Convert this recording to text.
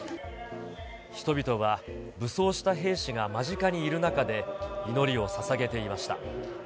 人々は武装した兵士が間近にいる中で祈りをささげていました。